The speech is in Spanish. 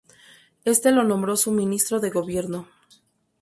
Éste lo nombró su ministro de gobierno.